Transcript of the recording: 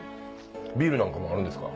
ビールなんかもあるんですか？